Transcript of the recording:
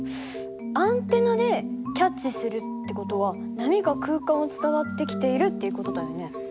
アンテナでキャッチするって事は波が空間を伝わってきているっていう事だよね？